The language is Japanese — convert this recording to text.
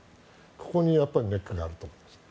ここにネックがあると思います。